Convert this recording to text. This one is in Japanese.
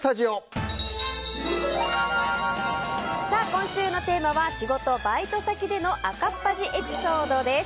今週のテーマは仕事・バイト先での赤っ恥エピソードです。